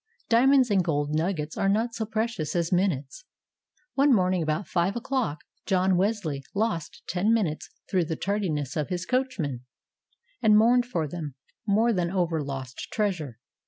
Dia monds and gold nuggets are not so prec ious as minutes. One morning, about 5 o'clock, John Wesley lost ten minutes through the tardiness of his coachman, and mourned for them more than over lost treasure.